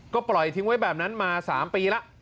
ก็ปล่อยทิ้งไว้แบบนั้นมา๓ปีแล้ว